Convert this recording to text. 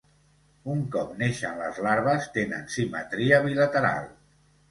Un cop neixen les larves tenen simetria bilateral.